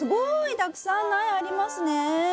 たくさん苗ありますね！